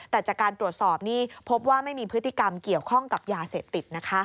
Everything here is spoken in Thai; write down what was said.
แต่จากการตรวจสอบนี่พบว่าไม่มีพฤติกรรมเกี่ยวข้องกับยาเสพติดนะคะ